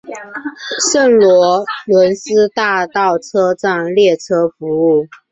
圣罗伦斯大道车站列车服务。